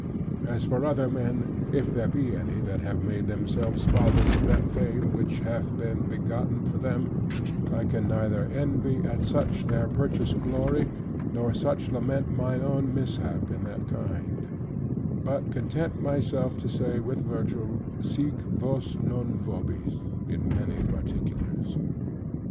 " As for other men; if there be any that have made themselves fathers of that fame which hath been begotten for them, I can neither envy at such their purchased glory, nor much lament mine own mishap in that kind; but content myself to say with Virgil, "Sic vos non vobis," in many particulars.